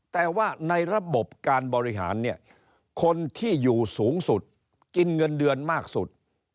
แต่ว่าในระบบการบริหารเนี่ยคนที่อยู่สูงสุดกินเงินเดือนมากสุด